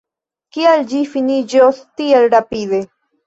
Kial ĝi finiĝos tiel rapide?